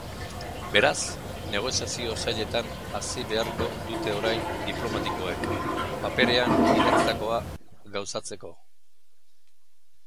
Beraz, negoziazio zailetan hasi beharko dute orain diplomatikoek, paperean idatzitakoa gauzatzeko.